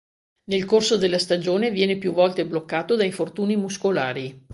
Nel corso della stagione viene più volte bloccato da infortuni muscolari.